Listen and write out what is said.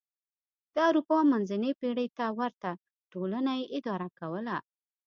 د اروپا منځنۍ پېړۍ ته ورته ټولنه یې اداره کوله.